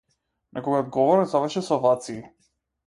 Неговиот говор заврши со овации.